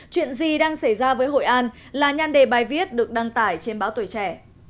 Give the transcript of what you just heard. chuyện gì đang xảy ra với hội an là nhan đề bài viết được đăng tải trên báo tuổi trẻ